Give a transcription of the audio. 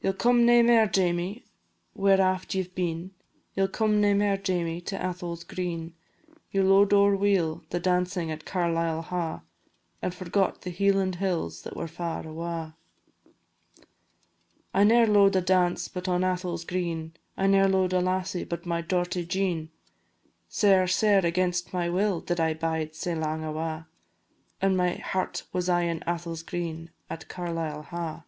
"Ye 'll come nae mair, Jamie, where aft ye 've been, Ye 'll come nae mair, Jamie, to Atholl's green; Ye lo'ed ower weel the dancin' at Carlisle Ha', And forgot the Hieland hills that were far awa'." "I ne'er lo'ed a dance but on Atholl's green, I ne'er lo'ed a lassie but my dorty Jean, Sair, sair against my will did I bide sae lang awa', And my heart was aye in Atholl's green at Carlisle Ha'."